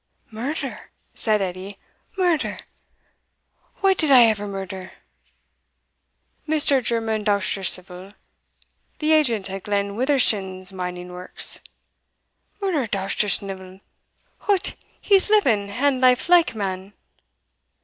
"Murder!" said Edie, "murder! wha did I e'er murder?" "Mr. German Doustercivil, the agent at Glen Withershins mining works." "Murder Doustersnivel? hout, he's living, and life like, man."